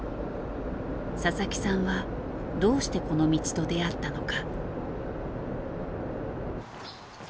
佐々木さんはどうしてこの道と出会ったのか。